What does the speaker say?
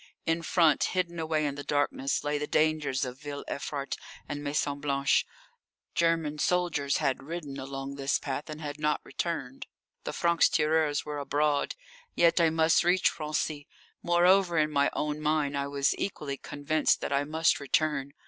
In front, hidden away in the darkness, lay the dangers of Ville Evrart and Maison Blanche. German soldiers had ridden along this path and had not returned; the francs tireurs were abroad. Yet I must reach Raincy. Moreover, in my own mind, I was equally convinced that I must return.